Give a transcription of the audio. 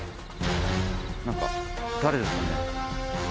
何か誰ですかね？